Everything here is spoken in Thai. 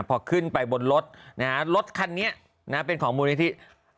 พอขึ้นไปบนรถนะฮะรถคันนี้เป็นของมูลนิธิ